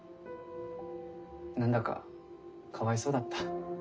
何だかかわいそうだった。